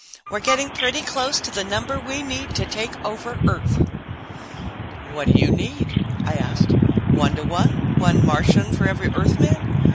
'We're getting pretty close to the number we need to take over Earth.'" "What do you need?" I asked. "One to one? One Martian for every Earthman?"